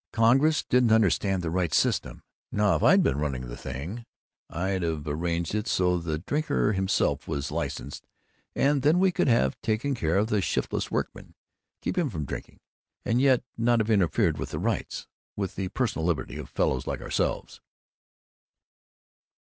"Congress didn't understand the right system. Now, if I'd been running the thing, I'd have arranged it so that the drinker himself was licensed, and then we could have taken care of the shiftless workman kept him from drinking and yet not've interfered with the rights with the personal liberty of fellows like ourselves."